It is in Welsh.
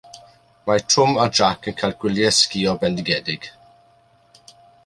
Mae Twm a Jac yn cael gwyliau sgïo bendigedig.